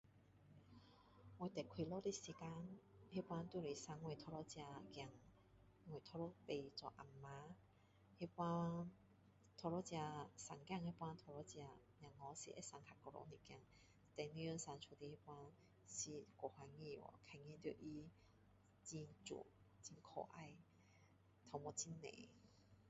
我最快樂的時間就是那時生我第一個孩子我第一次做啊媽那時第一次生孩子是會生比較久一點 then 第二天生出來他那時後是太高興了因為很漂亮很可愛頭髮很多